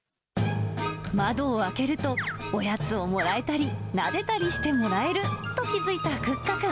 窓を開けると、おやつをもらえたり、なでたりしてもらえると気付いたクッカくん。